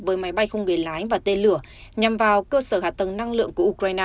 với máy bay không người lái và tên lửa nhằm vào cơ sở hạ tầng năng lượng của ukraine